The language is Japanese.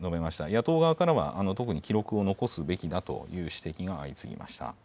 野党側からは、特に、記録を残すべきだという指摘が相次ぎました。